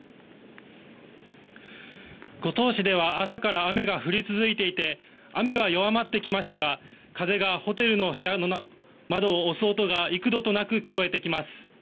五島市では朝から雨が降り続いていて雨は弱まってきましたが風がホテルの部屋の窓を押す音が幾度となく聞こえてきます。